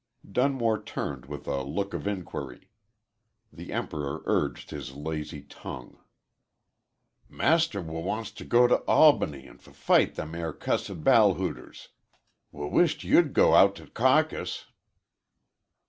Dunmore turned with a look of inquiry. The Emperor urged his lazy tongue. "Master w wants t' go t' Albany an' f fight them air cussed ballhooters. W wisht you'd g go out to caucus."